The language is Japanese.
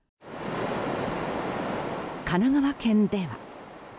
神奈川県では。